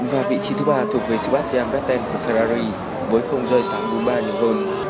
và vị trí thứ ba thuộc về sebastian vettel của ferrari với giây tám bốn mươi ba nhiều hơn